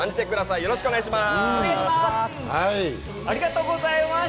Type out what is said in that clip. よろしくお願いします。